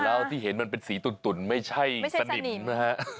แล้วที่เห็นมันเป็นสีตุ่นไม่ใช่สนิมนะฮะ